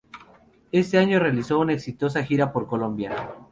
Ese año realizó una exitosa gira por Colombia.